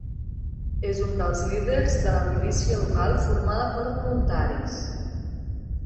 És un dels líders de la milícia local formada per voluntaris.